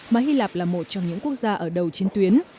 mà hy lạp là một trong những quốc gia ở đầu chiến tuyến